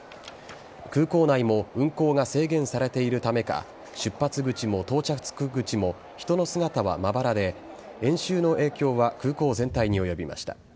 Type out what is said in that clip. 空港内も運航が制限されているためか出発口も到着口も人の姿はまばらで演習の影響は空港全体に及びました。